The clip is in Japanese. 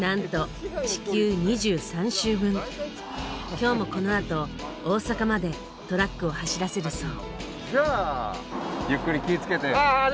今日もこのあと大阪までトラックを走らせるそう。